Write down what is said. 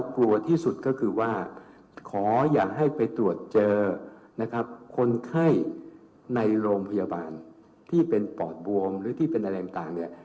ขออย่าให้ไปตรวจเจอนะครับคนไข้ในโรงพยาบาลที่เป็นปอดบวงหรือที่เป็นอะไรต่างเนี่ย